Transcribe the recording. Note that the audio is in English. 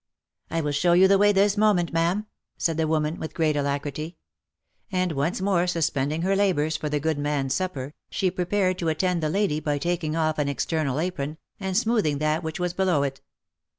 " I will show you the way this moment, ma'am," said the woman, with great alacrity ; and once more suspending her labours for the good man's supper, she prepared to attend the lady by taking off an external apron, and smoothing that which was below it.